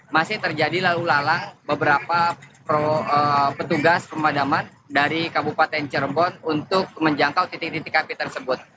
masih terjadi lalu lalang beberapa petugas pemadaman dari kabupaten cirebon untuk menjangkau titik titik api tersebut